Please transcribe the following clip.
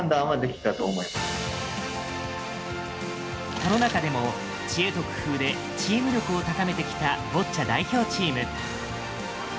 コロナ禍でも、知恵と工夫でチーム力を高めてきたボッチャ代表チーム。